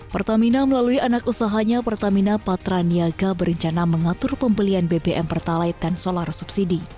pertamina melalui anak usahanya pertamina patraniaga berencana mengatur pembelian bbm pertalite dan solar subsidi